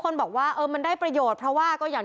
แต่ว่าถ้ามุมมองในทางการรักษาก็ดีค่ะ